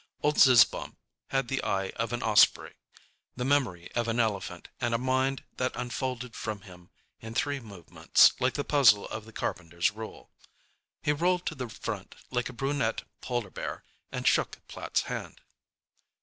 Old Zizzbaum had the eye of an osprey, the memory of an elephant and a mind that unfolded from him in three movements like the puzzle of the carpenter's rule. He rolled to the front like a brunette polar bear, and shook Platt's hand.